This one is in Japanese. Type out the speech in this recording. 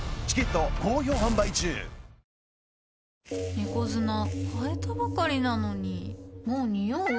猫砂替えたばかりなのにもうニオう？